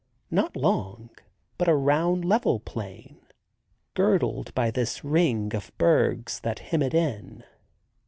Not long, but a round level plain, girdled by this ring of bergs that hem it in.